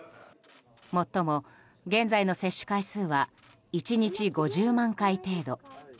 もっとも、現在の接種回数は１日５０万回程度。